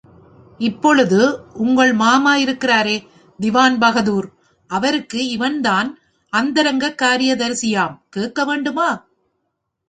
இப்பொழுது உங்கள் மாமா இருக்கிறாரே திவான் பகதூர், அவருக்கு இவன் தான் அந்தரங்கக் காரியதரிசியாம் கேட்கவேண்டுமா?